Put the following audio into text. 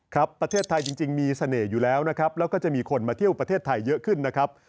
ประเทศไทยจริงมีเสน่ห์อยู่แล้วนะครับแล้วก็จะมีคนมาเที่ยวประเทศไทยเยอะขึ้นนะครับ